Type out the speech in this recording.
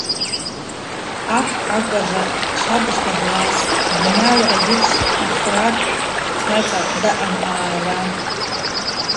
Ахӏ акӏважва швабыжта длайстӏ: Бунагӏва ычвтӏ ахрат хъацӏа даъам аъара.